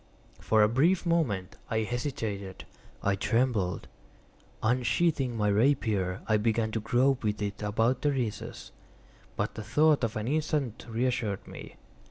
For a brief moment I hesitated—I trembled. Unsheathing my rapier, I began to grope with it about the recess; but the thought of an instant reassured me.